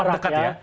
sangat dekat ya